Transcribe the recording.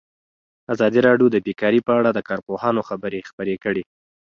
ازادي راډیو د بیکاري په اړه د کارپوهانو خبرې خپرې کړي.